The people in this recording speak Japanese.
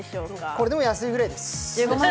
これでも安いぐらいです。